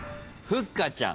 ふっかちゃん